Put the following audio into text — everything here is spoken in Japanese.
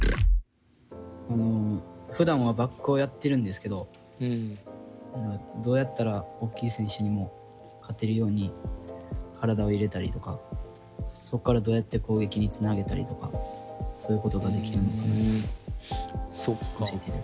ふだんはバックをやってるんですけどどうやったら大きい選手にも勝てるように体を入れたりとかそこからどうやって攻撃につなげたりとかそういうことができるのか教えて頂きたいです。